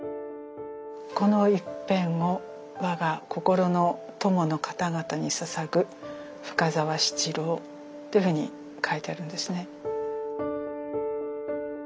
「この一篇を我が心の友のかたがたに捧ぐ深澤七郎」っていうふうに書いてあるんですね。